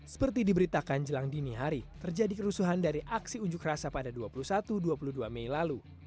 seperti diberitakan jelang dini hari terjadi kerusuhan dari aksi unjuk rasa pada dua puluh satu dua puluh dua mei lalu